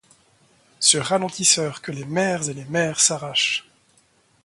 ce ralentisseur que les maires et les mères s'arrachent.